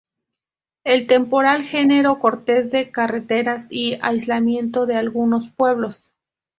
El temporal generó cortes de carreteras y aislamiento de algunos pueblos.